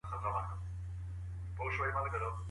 ولي هڅاند سړی د لوستي کس په پرتله ښه ځلېږي؟